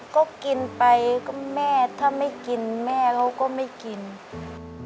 ก็กินไปก็แม่ถ้าไม่กินแม่เราก็ไม่กินเลยนะครับ